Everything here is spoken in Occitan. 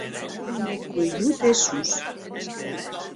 Jo non è cuelhut es sòs!